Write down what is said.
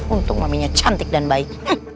untung maminya cantik dan baik